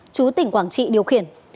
chú tỉnh quảng trị điều khiển